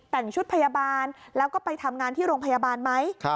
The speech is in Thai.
แต่งชุดพยาบาลแล้วก็ไปทำงานที่โรงพยาบาลไหม